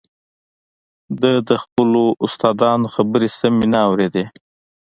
ده د خپلو استادانو خبرې سمې نه اورېدې